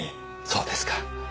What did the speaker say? そうですか。